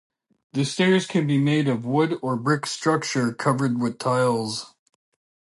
The stairs can be made of wood or brick structure covered with tiles.